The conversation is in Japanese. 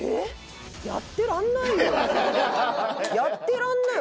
やってらんないよ